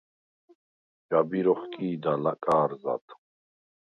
ჯაბირ ოხკი̄და ლაკა̄რზად.